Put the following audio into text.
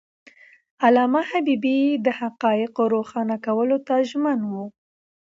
علامه حبيبي د حقایقو روښانه کولو ته ژمن و.